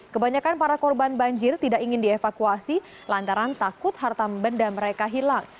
kebanyakan para korban banjir tidak ingin dievakuasi lantaran takut harta benda mereka hilang